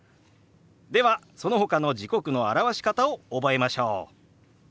ではそのほかの時刻の表し方を覚えましょう。